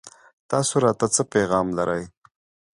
تاسو راته څه پيغام لرئ